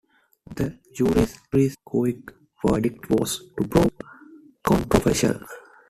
The jury's quick verdict was to prove controversial.